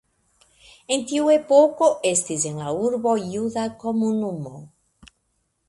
En tiu epoko estis en la urbo juda komunumo.